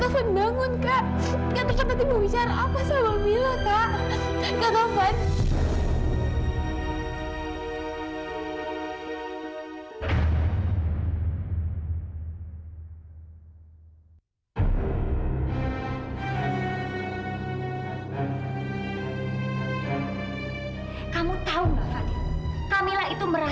sampai jumpa di video selanjutnya